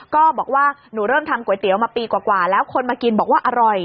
ก็บอกว่าหนูเริ่มทำก๋วยเตี๋ยวมาปีกว่าแล้วคนมากินบอกว่าอร่อย